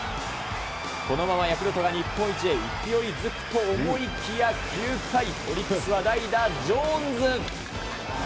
このままヤクルトが日本一へ勢いづくと思いきや、９回、オリックスは代打、ジョーンズ。